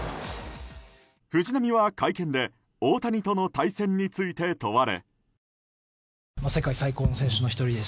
藤浪は会見で大谷との対戦について問われ。